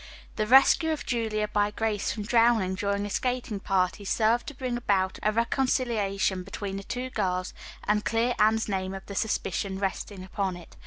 The rescue of Julia by Grace from drowning during a skating party served to bring about a reconciliation between the two girls and clear Anne's name of the suspicion resting upon it.